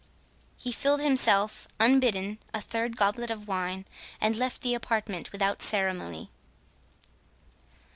He filled himself unbidden, a third goblet of wine, and left the apartment without ceremony.